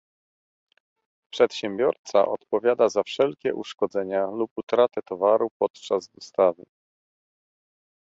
Przedsiębiorca odpowiada za wszelkie uszkodzenia lub utratę towaru podczas dostawy